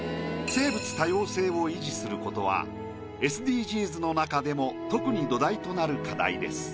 生物多様性を維持することはＳＤＧｓの中でも特に土台となる課題です。